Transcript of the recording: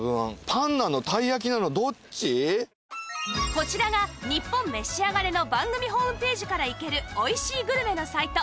こちらが『ニッポンめしあがれ』の番組ホームページから行けるおいしいグルメのサイト